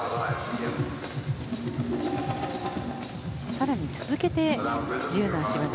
更に続けて自由な脚技。